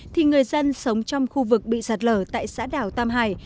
thì người dân sống trong khu vực bị sạt lở tại xã đảo tam hải